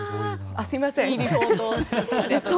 すいません。